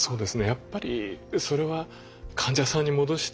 やっぱりそれは患者さんに戻したい。